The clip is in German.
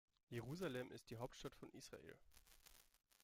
Jerusalem ist die Hauptstadt von Israel.